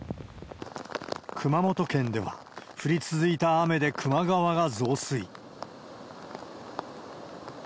熊本県では、降り続いた雨で球磨川が増水。